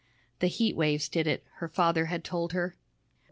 The heat waves did it, her father had told her.